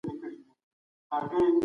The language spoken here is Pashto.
مال د ژوند د اړتیاوو وسیله ده.